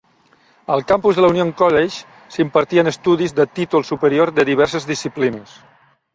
Al campus de la Union College s'impartien estudis de títol superior de diverses disciplines.